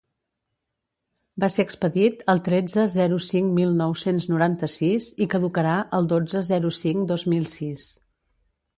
Va ser expedit el tretze-zero cinc-mil nou-cents noranta-sis i caducarà el dotze-zero cinc-dos mil sis.